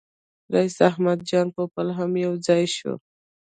رییس احمد جان پوپل هم یو ځای شو.